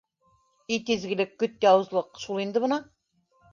Ит изгелек, көт яуызлыҡ - шул инде бына!